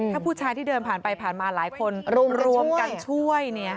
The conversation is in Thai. ถ้าผู้ชายที่เดินผ่านไปผ่านมาหลายคนรวมกันช่วยเนี่ย